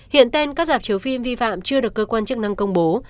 hiện tên các giảm chiếu phim vi phạm chưa được cơ quan chức năng công bố